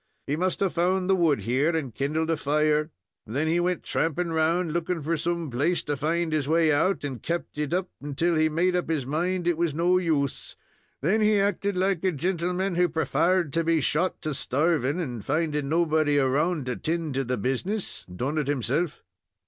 He must have found the wood here and kindled a fire. Then he wint tramping round, looking for some place to find his way out, and kept it up till he made up his mind it was no use Then he acted like a gintleman who prefarred to be shot to starving, and, finding nobody around to 'tend to the business, done it himself."